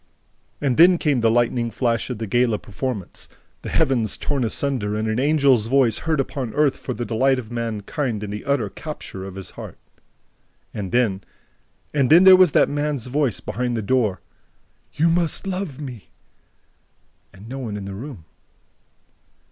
And then came the lightning flash of the gala performance: the heavens torn asunder and an angel's voice heard upon earth for the delight of mankind and the utter capture of his heart. And then ... and then there was that man's voice behind the door "You must love me!" and no one in the room...